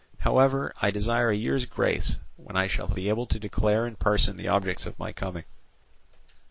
However, I desire a year's grace, when I shall be able to declare in person the objects of my coming."